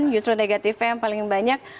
justru negatifnya yang paling banyak